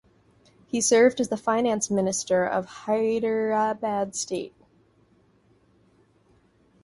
He served as the finance minister of Hyderabad State.